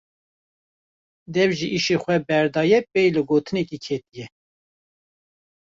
Dev ji îşê xwe berdaye pey gotinekê ketiye.